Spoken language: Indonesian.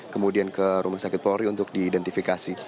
kemudian ke rumah sakit polri untuk diidentifikasi